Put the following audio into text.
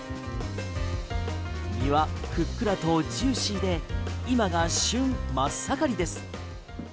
身はふっくらとジューシーで今が旬真っ盛りです。